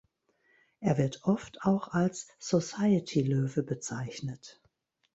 Er wird oft auch als „Society-Löwe“ bezeichnet.